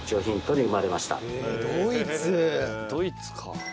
ドイツか。